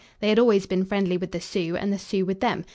They had always been friendly with the Sioux and the Sioux with them.